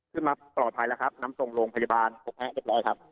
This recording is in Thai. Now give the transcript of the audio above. มาปลอดภัยแล้วครับนำส่งโรงพยาบาลกกแพะเรียบร้อยครับ